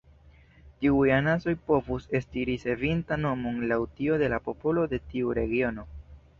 Tiuj anasoj povus esti ricevinta nomon laŭ tiu de la popolo de tiu regiono.